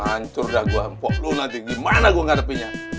ancur dah gua empok lu nanti gimana gua ngarepinnya